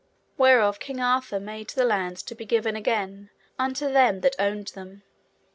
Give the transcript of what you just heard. Wherefore King Arthur made the lands to be given again unto them that owned them.